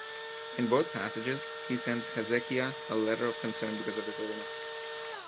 In both passages he sends Hezekiah a letter of concern because of his illness.